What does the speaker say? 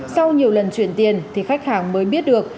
sau nhiều lần chuyển tiền thì khách hàng mới biết được